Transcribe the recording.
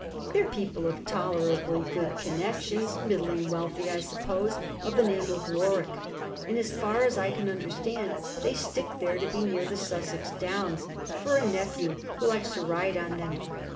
They're people of tolerably good connections, middling wealthy, I suppose, of the name of Warwick, and, as far as I can understand, they stick there to be near the Sussex Downs, for a nephew, who likes to ride on them.